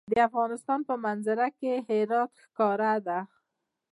د افغانستان په منظره کې هرات ښکاره ده.